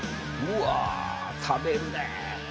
うわたべるね。